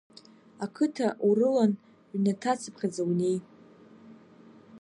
Ақыҭа урылан, ҩнаҭацыԥхьаӡа унеи.